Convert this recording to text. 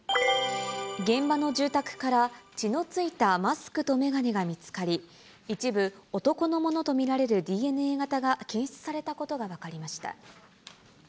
現場の住宅から血のついたマスクと眼鏡が見つかり、一部、男のものと見られるＤＮＡ型が検出されたことが分かりました。